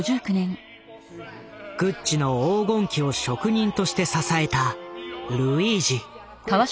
グッチの黄金期を職人として支えたルイージ。